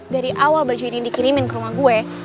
dari awal baju ini dikirimin ke rumah gue